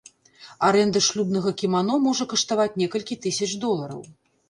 Арэнда шлюбнага кімано можа каштаваць некалькі тысяч долараў.